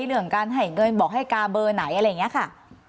เรื่องการให้เงินบอกให้กาเบอร์ไหนอะไรอย่างนี้ค่ะ